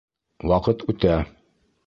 Ваҡыт үтә!